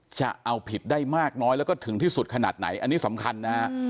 จะเอาผิดได้มากน้อยแล้วก็ถึงที่สุดขนาดไหนอันนี้สำคัญนะฮะ